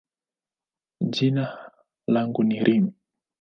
jina langu ni Reem.